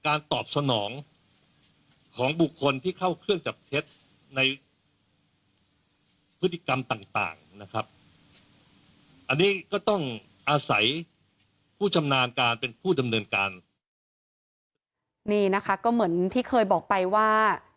นี่ก็ต้องอาศัยผู้ชำนาญการเป็นผู้ดำเนินการนี่นะคะก็เหมือนที่เคยบอกไปว่า